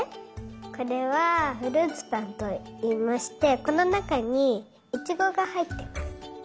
これはフルーツぱんといいましてこのなかにいちごがはいってます。